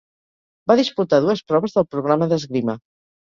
Va disputar dues proves del programa d'esgrima.